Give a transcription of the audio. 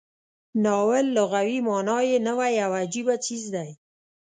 ناول لغوي معنا یې نوی او عجیبه څیز دی.